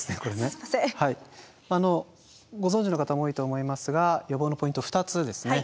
ご存じの方も多いと思いますが予防のポイント２つですね。